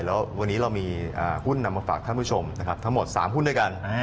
แล้ววันนี้เรามีหุ้นนำมาฝากท่านผู้ชมนะครับทั้งหมด๓หุ้นด้วยกัน